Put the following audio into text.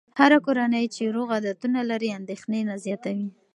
هره کورنۍ چې روغ عادتونه لري، اندېښنې نه زیاتوي.